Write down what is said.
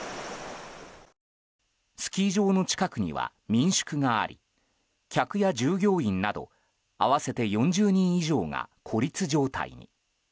スキー場の近くには民宿があり客や従業員など、合わせて４０人以上が孤立状態に。